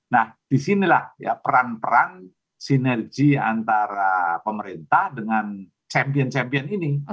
nah disinilah ya peran peran sinergi antara pemerintah dengan champion champion ini